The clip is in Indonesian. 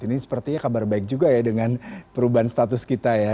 ini sepertinya kabar baik juga ya dengan perubahan status kita ya